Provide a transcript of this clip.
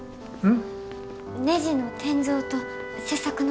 うん。